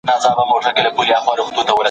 د مالونو بېرته ورکول لوی کار و.